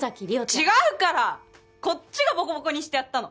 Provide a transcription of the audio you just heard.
違うからこっちがボコボコにしてやったの